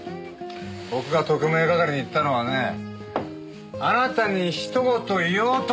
僕が特命係に行ったのはねあなたにひと言言おうと思ったからっす！